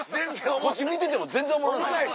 こっち見てても全然おもろない。